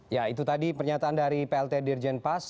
ya itu tadi pernyataan dari plt dirjen pas